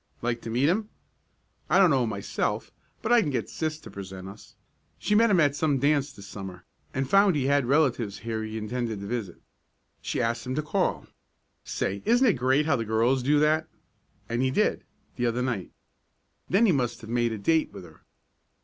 Like to meet him? I don't know him myself, but I can get sis to present us. She met him at some dance this Summer, and found he had relatives here he intended to visit. She asked him to call say, isn't it great how the girls do that? and he did the other night. Then he must have made a date with her.